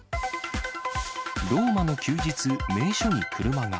ローマの休日、名所に車が。